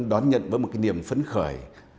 đón nhận với một niềm phấn khởi